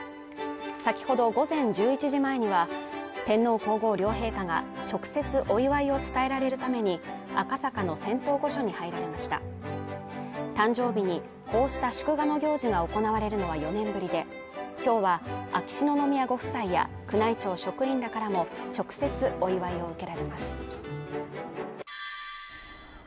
先ほど午前１１時前には天皇皇后両陛下が直接お祝いを伝えられるために赤坂の仙洞御所に入られました誕生日にこうした祝賀の行事が行われるのは４年ぶりで今日は秋篠宮ご夫妻や宮内庁職員らからも直接お祝いを受けられます